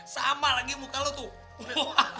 sama lagi muka lu tuh